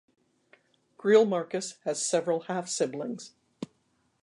Greil Marcus has several half-siblings.